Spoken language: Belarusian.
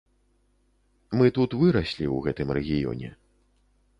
Мы тут выраслі ў гэтым рэгіёне.